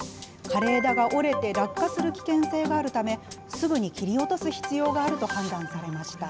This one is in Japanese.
枯れ枝が折れて落下する危険性があるため、すぐに切り落とす必要があると判断されました。